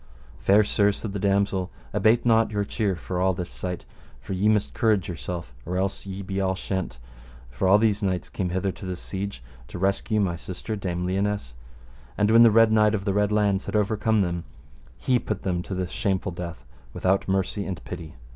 Fair sir, said the damosel, abate not your cheer for all this sight, for ye must courage yourself, or else ye be all shent, for all these knights came hither to this siege to rescue my sister Dame Lionesse, and when the Red Knight of the Red Launds had overcome them, he put them to this shameful death without mercy and pity.